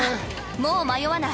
もう迷わない。